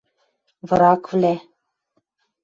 врагвлӓ